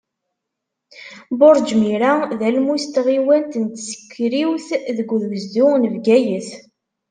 Burǧ Mira d almus n tɣiwant n Tsekriwt, deg ugezdu n Bgayet.